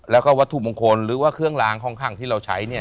แล้วก็วัตถุมงคลหรือว่าเครื่องล้างห้องข้างที่เราใช้เนี่ย